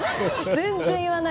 全然言わない。